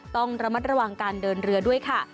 ต้องระมัดระวังการเดินเรือด้วยค่ะ